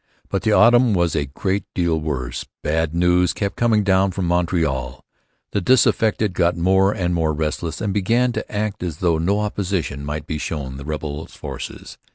But the autumn was a great deal worse. Bad news kept coming down from Montreal. The disaffected got more and more restless and began 'to act as though no opposition might be shown the rebel forces.'